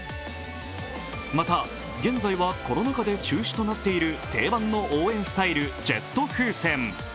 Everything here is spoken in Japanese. また、現在はコロナ禍で中止となっている定番の応援スタイル、ジェット風船。